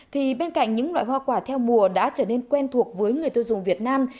thì bên cạnh những loại hoa quả theo mùa đã trở nên quen thuộc với người tiêu dùng việt nam